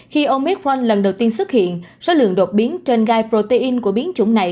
khi omicron lần đầu tiên xuất hiện số lượng đột biến trên gai protein của biến chủng này